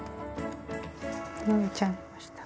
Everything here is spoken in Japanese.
縫えちゃいました。